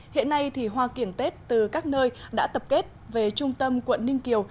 hiện nay thì hoa kiểng tết từ các nơi đã tập kết về trung tâm quận ninh kiều